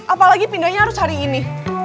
apalagi pindahnya harus hari ini